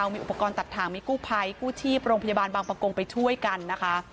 มีอุปกรณ์ตัดทางมีกู้ภัยกู้ชีพโรงพยาบาลบางประกงไปช่วยกันนะคะ